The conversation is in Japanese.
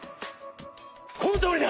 このとおりだ！